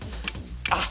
あっ！